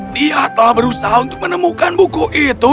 dia telah berusaha untuk menemukan buku itu